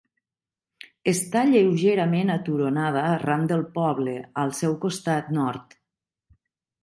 Està lleugerament aturonada ran del poble, al seu costat nord.